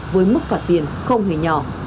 với mức phạt tiền không hề nhỏ